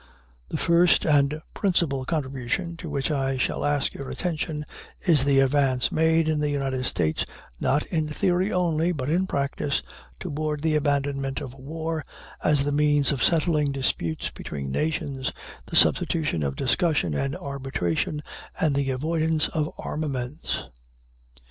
The first and principal contribution to which I shall ask your attention is the advance made in the United States, not in theory only, but in practice, toward the abandonment of war as the means of settling disputes between nations, the substitution of discussion and arbitration, and the avoidance of armaments.